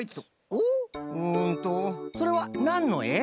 おっうんとそれはなんのえ？